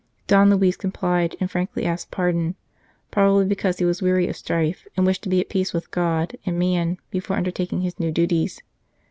Don Luis complied, and frankly asked pardon, probably because he was weary of strife and wished to be at peace with God and man before undertaking his new duties.